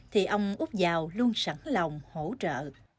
thì ông úc dào luôn sẵn lòng hỗ trợ